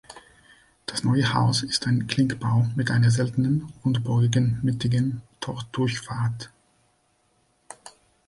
Das neue Haus ist ein Klinkerbau, mit einer seltenen rundbogigen mittigen Tordurchfahrt.